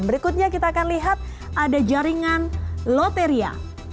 berikutnya kita akan lihat ada jaringan loteria